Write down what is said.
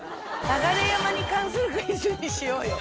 流山に関するクイズにしようよ。